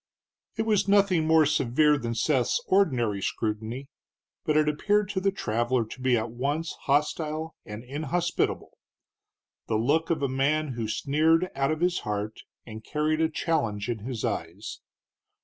It was nothing more severe than Seth's ordinary scrutiny, but it appeared to the traveler to be at once hostile and inhospitable, the look of a man who sneered out of his heart and carried a challenge in his eyes.